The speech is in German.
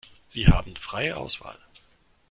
Sie haben freie Auswahl.